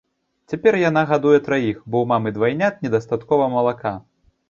Цяпер яна гадуе траіх, бо ў мамы двайнят недастаткова малака.